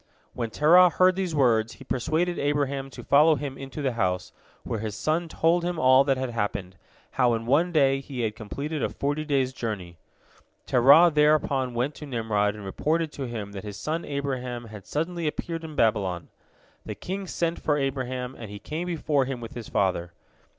When Terah heard these words, he persuaded Abraham to follow him into the house, where his son told him all that had happened—how in one day he had completed a forty days' journey. Terah thereupon went to Nimrod and reported to him that his son Abraham had suddenly appeared in Babylon. The king sent for Abraham, and he came before him with his father.